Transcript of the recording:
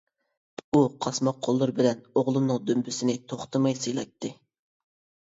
ئۇ قاسماق قوللىرى بىلەن ئوغلۇمنىڭ دۈمبىسىنى توختىماي سىيلايتتى.